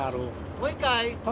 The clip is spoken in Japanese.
もう一回！